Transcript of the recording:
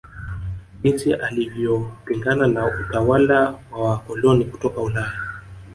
Jinsi alivyopingana na utawala wa waakoloni kutoka Ulaya